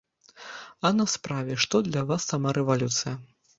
А на справе, што для вас сама рэвалюцыя?